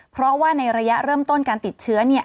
เพราะว่าในระยะเริ่มต้นการติดเชื้อ